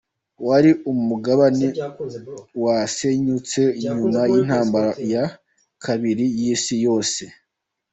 Wari umugabane wasenyutse nyuma y’Intambara ya Kabiri y’Isi yose.